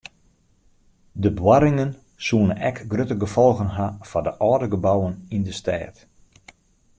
De boarringen soene ek grutte gefolgen ha foar de âlde gebouwen yn de stêd.